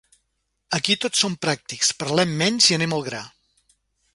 Aquí tots som pràctics, parlem menys i anem al gra